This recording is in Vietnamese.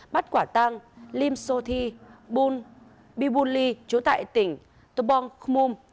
bắt quả tăng lim so thi bùn bì bùn ly chỗ tại tỉnh tô bông khmum